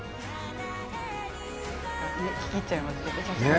聴き入っちゃいますね。